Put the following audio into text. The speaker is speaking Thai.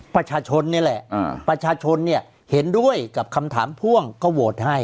ประชาชนนี่แหละประชาชนเนี่ยเห็นด้วยกับคำถามพ่วงก็โหวตให้